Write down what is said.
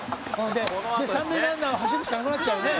三塁ランナーは走るしかなくなっちゃうよね。